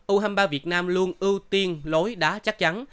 u hai mươi ba việt nam luôn ưu tiên lối đá chắc chắn